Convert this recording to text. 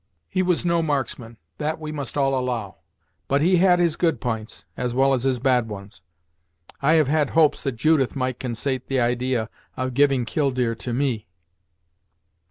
"He was no marksman, that we must all allow; but he had his good p'ints, as well as his bad ones. I have had hopes that Judith might consait the idee of giving Killdeer to me."